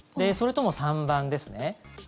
それとも３番ですね。